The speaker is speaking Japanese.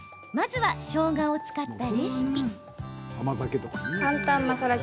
まずは、しょうがを使ったレシピ。